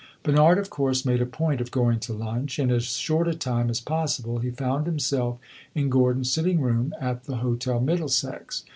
Bernard, of course, made a point of going to lunch. In as short a time as possible he found himself in Gordon's sitting room at the Hotel Middlesex.